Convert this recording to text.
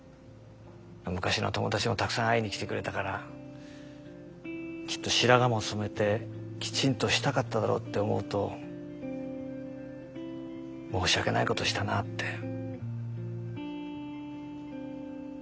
昔の友達もたくさん会いに来てくれたからきっと白髪も染めてきちんとしたかっただろうって思うと申し訳ないことをしたなあって。